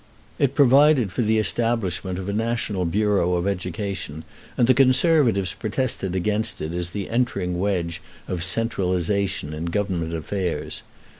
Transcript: It provided for the establishment of a national bureau of education, and the conservatives protested against it as the entering wedge of centralization in government affairs.